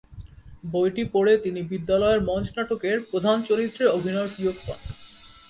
বইটি পড়ে তিনি বিদ্যালয়ের মঞ্চনাটকের প্রধান চরিত্রে অভিনয়ের সুযোগ পান।